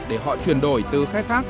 để họ chuyển đổi từ khai thác